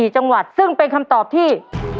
๔จังหวัดซึ่งเป็นคำตอบที่